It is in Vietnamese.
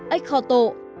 ếch kho tộ